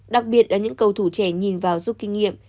đặc biệt là những cầu thủ trẻ nhìn vào giúp kinh nghiệm